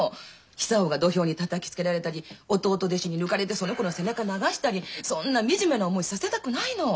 久男が土俵にたたきつけられたり弟弟子に抜かれてその子の背中流したりそんな惨めな思いさせたくないの。